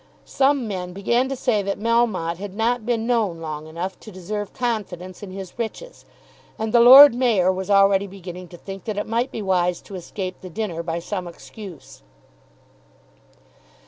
Some men began to say that Melmotte had not been known long enough to deserve confidence in his riches, and the Lord Mayor was already beginning to think that it might be wise to escape the dinner by some excuse.